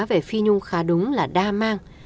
về phi nhung khá đúng là đa mang